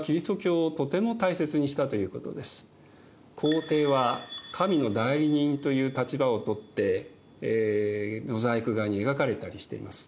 皇帝は神の代理人という立場を取ってモザイク画に描かれたりしています。